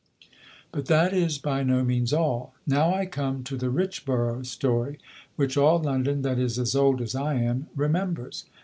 But that is by no means all. Now I come, to the Richborough story, which all London that is as old as I am remembers.